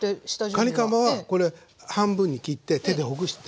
かにかまは半分に切って手でほぐして。